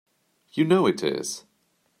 You know it is!